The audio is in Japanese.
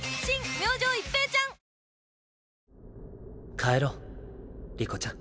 帰ろう理子ちゃん。